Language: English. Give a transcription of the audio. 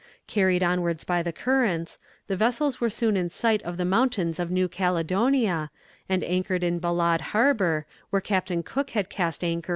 Carried onwards by the currents, the vessels were soon in sight of the mountains of New Caledonia, and anchored in Balade harbour, where Captain Cook had cast anchor in 1774.